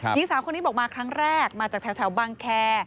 ยิ่งสามคนที่บอกมาครั้งแรกมาจากแถวบังแค